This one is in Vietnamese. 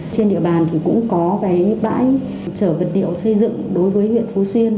trên địa bàn thì cũng có cái bãi chở vật liệu xây dựng đối với huyện phú xuyên